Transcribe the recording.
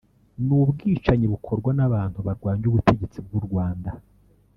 ‘ni ubwicanyi bukorwa n’abantu barwanya ubutegetsi bw’u Rwanda’